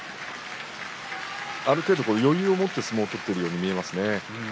ある程度、余裕を持って相撲を取っているように見えますね。